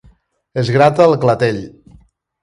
Es grata el clatell.